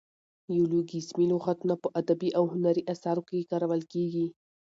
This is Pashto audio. نیولوګیزمي لغاتونه په ادبي او هنري اثارو کښي کارول کیږي.